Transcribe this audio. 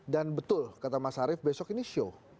dan betul kata mas arief besok ini show